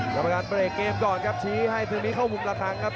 กรรมการเบรกเกมก่อนครับชี้ให้คืนนี้เข้ามุมละครั้งครับ